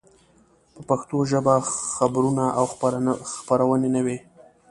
په پښتو ژبه خبرونه او خپرونې نه وې.